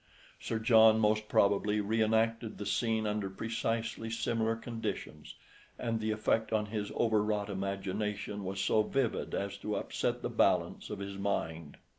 Sir John most probably re enacted the scene under precisely similar conditions, and the effect on his overwrought imagination was so vivid as to upset the balance of his mind.